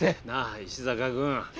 なあ石坂君。